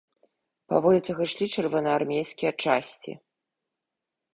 Па вуліцах ішлі чырвонаармейскія часці.